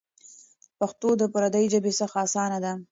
پښتو د پردۍ ژبې څخه اسانه ده.